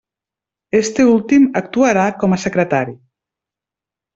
Este últim actuarà com a secretari.